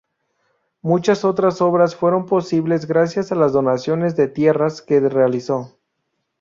Muchas otras obras fueron posible gracias a las donaciones de tierras que realizó.